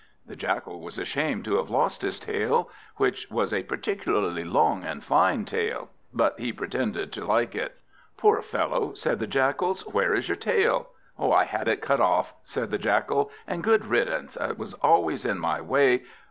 The Jackal was ashamed to have lost his tail, which was a particularly long and fine tail; but he pretended to like it. "Poor fellow!" said the Jackals, "where is your tail?" "I had it cut off," said the Jackal, "and good riddance. It was always in my way.